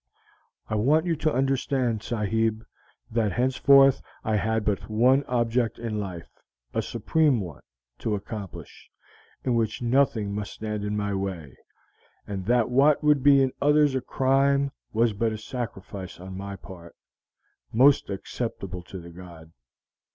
I want you to understand, sahib, that henceforth I had but one object in life, a supreme one, to accomplish, in which nothing must stand in my way, and that what would be in others a crime was but a sacrifice on my part, most acceptable to the god.